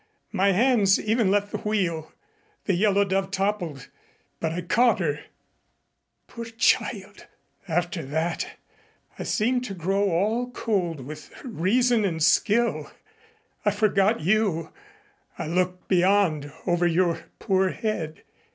My hands even left the wheel. The Yellow Dove toppled but I caught her." "Poor child!" "After that I seemed to grow all cold with reason and skill. I forgot you. I looked beyond, over your poor head.